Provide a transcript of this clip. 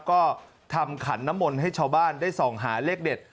ก็ทำขันน้ำมนต์ให้ชาวบ้านได้ส่องหาเลขเด็ด